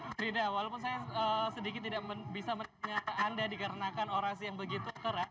frida walaupun saya sedikit tidak bisa menanya anda dikarenakan orasi yang begitu keras